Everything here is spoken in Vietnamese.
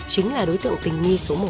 chính là đối tượng tình nghi số một